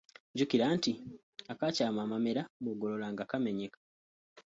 Jjukira nti "Akaakyama amamera bw’ogolola nga kamenyeka".